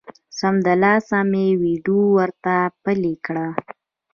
سمدلاسه مې ویډیو ورته پلې کړه